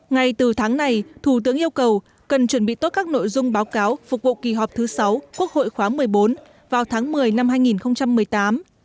ngay từ tháng này thủ tướng yêu cầu cần chuẩn bị tốt các nội dung báo cáo phục vụ kỳ họp thứ sáu quốc hội khóa một mươi bốn vào tháng một mươi năm hai nghìn một mươi tám